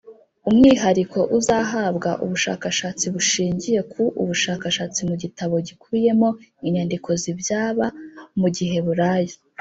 Umwihariko uzahabwa ubushakashatsi bushingiye ku ubushakashatsi mu gitabo gikubiyemo inyandiko z ibyaba Mu giheburayo